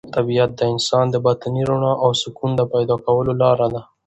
طبیعت د انسان د باطني رڼا او سکون د پیدا کولو لاره ده.